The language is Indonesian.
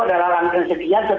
adalah langkah yang sekian